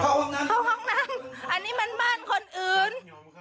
ห้องน้ำอันนี้มันบ้านคนอื่น